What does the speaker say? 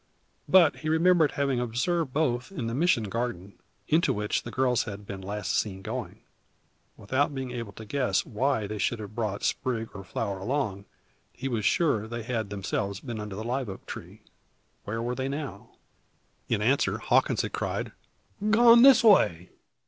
But he remembered having observed both in the Mission garden, into which the girls had been last seen going. Without being able to guess why they should have brought sprig or flower along, he was sure they had themselves been under the live oak. Where were they now? In answer, Hawkins had cried: "Gone this way!